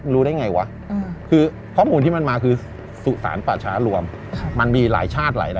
รู้ได้ไงวะคือข้อมูลที่มันมาคือสุสานป่าช้ารวมมันมีหลายชาติหลาย